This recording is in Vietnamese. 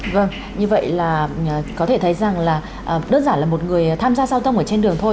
vâng như vậy là có thể thấy rằng là đơn giản là một người tham gia giao thông ở trên đường thôi